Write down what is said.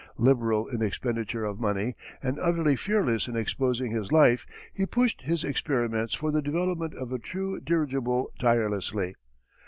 Liberal in expenditure of money, and utterly fearless in exposing his life, he pushed his experiments for the development of a true dirigible tirelessly.